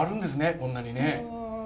こんなにね。